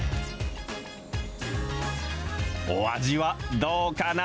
お味はどうかな？